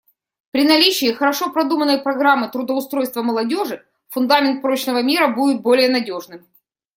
При наличии хорошо продуманной программы трудоустройства молодежи фундамент прочного мира будет более надежным.